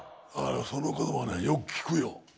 その言葉はねよく聞くよ。